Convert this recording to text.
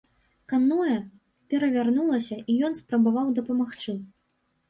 Каноэ перавярнулася і ён спрабаваў дапамагчы.